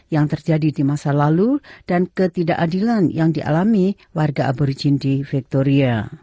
yang terjadi di masa lalu dan ketidakadilan yang dialami warga aborigin di victoria